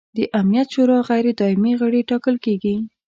د امنیت شورا غیر دایمي غړي ټاکل کیږي.